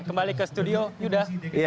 kembali ke studio yuda